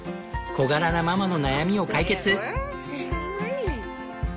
小柄なママの悩みを解決。